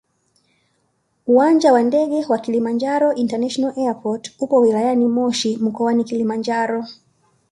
uwanja wa ndege wa kilimanjaro international airport upo wiliyani moshi mkoani Kilimanjaro